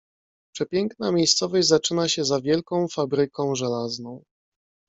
"Przepiękna miejscowość zaczyna się za wielką fabryką żelazną."